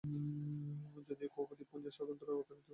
যদিও কুক দ্বীপপুঞ্জের স্বতন্ত্র অর্থনৈতিক অঞ্চল অংশ জুড়ে রবস্থিত।